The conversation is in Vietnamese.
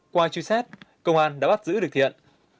qua truy xét công an đã bắt giữ được thiện